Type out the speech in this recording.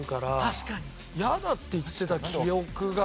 やだって言ってた記憶が。